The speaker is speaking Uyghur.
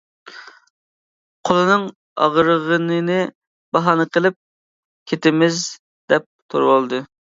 قولىنىڭ ئاغرىغىنىنى باھانە قىلىپ كىتىمىز دەپ تۇرۇۋالدى.